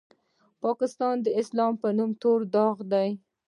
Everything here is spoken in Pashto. پاکستان د اسلام په نوم تور داغ دی.